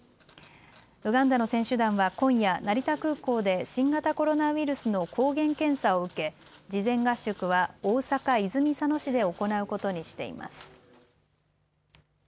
ウガンダの選手団は今夜、成田空港で新型コロナウイルスの抗原検査を受け、事前合宿は大阪泉佐野市で行うことにしています。